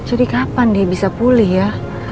jadi kapan dia bisa pulih ya